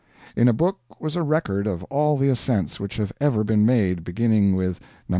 In a book was a record of all the ascents which have ever been made, beginning with Nos.